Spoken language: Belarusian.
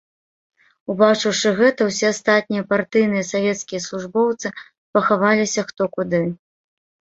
Убачыўшы гэта, усе астатнія партыйныя і савецкія службоўцы пахаваліся хто куды.